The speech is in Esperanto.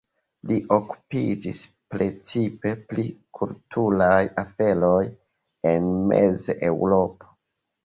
Li okupiĝis precipe pri kulturaj aferoj en Mez-Eŭropo.